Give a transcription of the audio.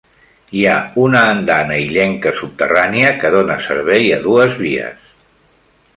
Hi ha una andana illenca subterrània que dóna servei a dues vies.